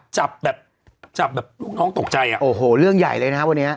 จับแบบลูกน้องตกใจโอ้โหเรื่องใหญ่เลยนะวันนี้